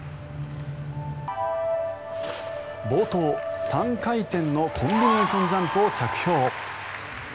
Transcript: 冒頭、３回転のコンビネーションジャンプを着氷。